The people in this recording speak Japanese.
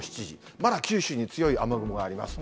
まだ九州に強い雨雲があります。